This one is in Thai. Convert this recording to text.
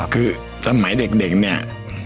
คือสมัยเด็กเนี่ย